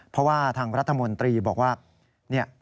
เพราะว่าทางรัฐมนตรีบอกว่า